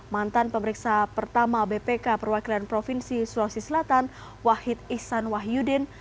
mantan pemeriksa pertama bpk perwakilan provinsi sulawesi selatan wahid ihsan wahyudin